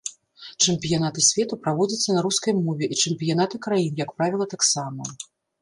Чэмпіянаты свету праводзяцца на рускай мове, і чэмпіянаты краін, як правіла, таксама.